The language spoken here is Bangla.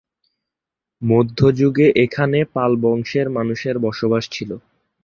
মধ্যযুগে এখানে পাল বংশের মানুষের বসবাস ছিলো।